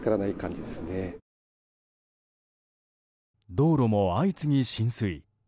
道路も相次ぎ浸水。